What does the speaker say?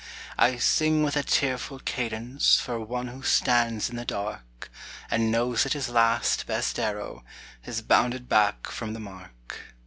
I sing with a tearful cadence For one who stands in the dark, And knows that his last, best arrow Has bounded back from the mark.